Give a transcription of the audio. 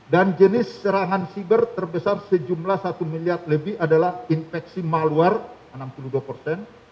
dan jenis serangan cyber terbesar sejumlah satu miliar lebih adalah infeksi malware